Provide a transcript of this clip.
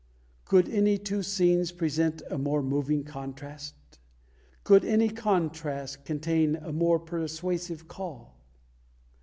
Could any two scenes present a more moving contrast? Could any contrast contain a more persuasive call?